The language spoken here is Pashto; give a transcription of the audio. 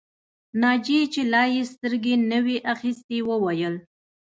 ناجيې چې لا يې سترګې نه وې اخيستې وویل